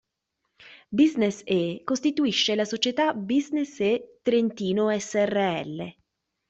Business-e costituisce la società Business-e Trentino srl.